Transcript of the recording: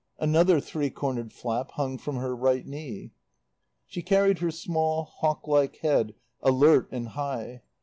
Another three cornered flap hung from her right knee. She carried her small, hawk like head alert and high.